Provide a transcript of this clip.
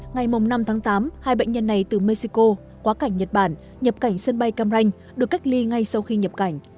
ngày năm tháng tám hai bệnh nhân này từ mexico quá cảnh nhật bản nhập cảnh sân bay cam ranh được cách ly ngay sau khi nhập cảnh